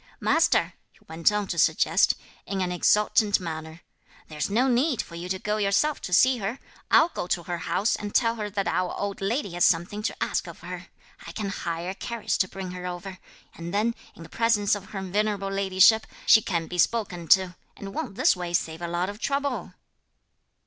"Master," he went on to suggest, in an exultant manner, "there's no need for you to go yourself to see her; I'll go to her house and tell her that our old lady has something to ask of her. I can hire a carriage to bring her over, and then, in the presence of her venerable ladyship, she can be spoken to; and won't this way save a lot of trouble?"